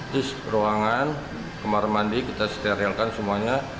jis ruangan kamar mandi kita sterilkan semuanya